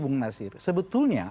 bung nasir sebetulnya